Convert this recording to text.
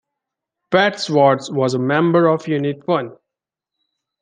Wadsworth was a member of Unit One.